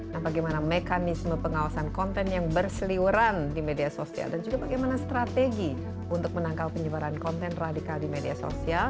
nah bagaimana mekanisme pengawasan konten yang berseliweran di media sosial dan juga bagaimana strategi untuk menangkal penyebaran konten radikal di media sosial